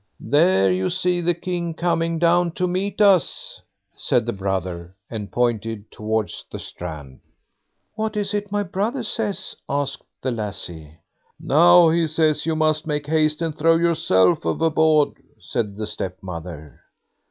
"There you see the King coming down to meet us", said the brother, and pointed towards the strand. "What is it my brother says", asked the lassie. "Now he says you must make haste and throw yourself overboard", said the stepmother.